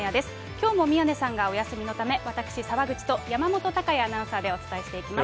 きょうも宮根さんがお休みのため、私、澤口と山本隆弥アナウンサーでお伝えしていきます。